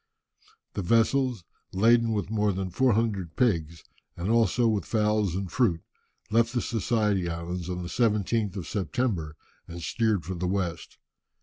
The vessels, laden with more than four hundred pigs, and also with fowls, and fruit, left the Society Islands on the 17th of September, and steered for the west.